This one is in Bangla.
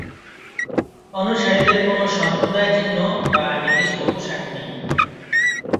অনুসারীদের কোনও সম্প্রদায় চিহ্ন বা নির্দিষ্ট পোশাক নেই।